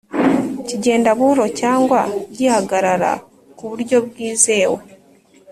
kigenda buhoro cyangwa gihagarara ku buryo bwizewe